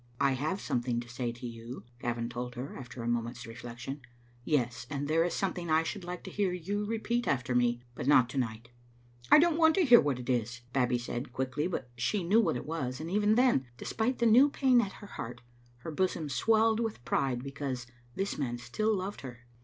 "I have something to say to yon," Gavin told her, after a moment's reflection; "yes, and there is some« thing I should like to hear you repeat after me, but not to night." " I don't want to hear what it is," Babbie said, quick ly, but she knew what it was, and even then, despite the new pain at her heart, her bosom swelled with pride because this man still loved her.